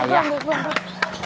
aduh aduh aduh